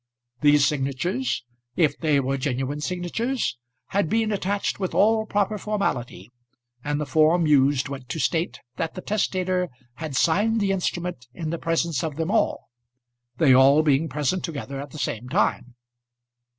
These signatures if they were genuine signatures had been attached with all proper formality, and the form used went to state that the testator had signed the instrument in the presence of them all, they all being present together at the same time.